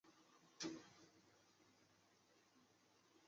后文字社会继续存在的虚讲社会理论。